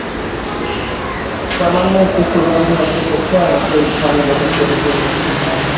সামান্য একটু সুগন্ধ আসিতেছে, আমাকে ঐ ঘ্রাণ গ্রহণ করিতেই হইবে।